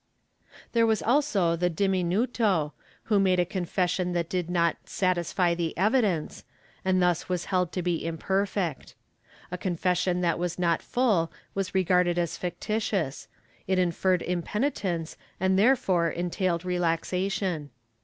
There was also the diminuto, who made a confession that did not "satisfy the evidence" and thus was held to be imperfect. A confession that was not full was regarded as fictitious ; it inferred impenitence and therefore entailed relaxation.